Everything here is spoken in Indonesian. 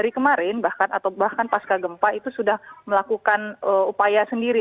pada saat ini pasca gempa sudah melakukan upaya sendiri